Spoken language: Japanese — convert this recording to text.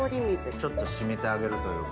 ちょっと締めてあげるというか。